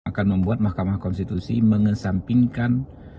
akan membuat mahkamah konstitusi mengesampingkan